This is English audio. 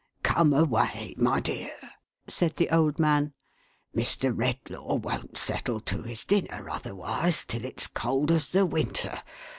" Come away, my dear," said the old man. " Mr. Redlaw won't settle to his dinner, otherwise, till it's cold as the winter.